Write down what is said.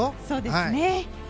そうですね。